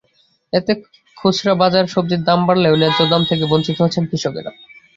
এতে খুচরা বাজারে সবজির দাম বাড়লেও ন্যায্য দাম থেকে বঞ্চিত হচ্ছেন কৃষকেরা।